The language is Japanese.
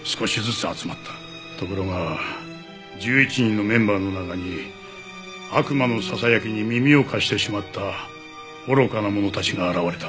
ところが１１人のメンバーの中に悪魔のささやきに耳を貸してしまった愚かな者たちが現れた。